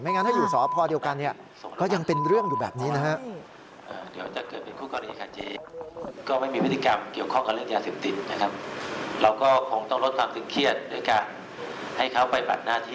ไม่งั้นถ้าอยู่สอบพอเดียวกันก็ยังเป็นเรื่องอยู่แบบนี้นะครับ